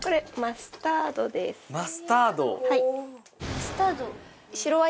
マスタード。